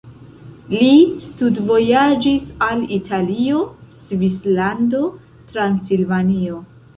Li studvojaĝis al Italio, Svislando, Transilvanio.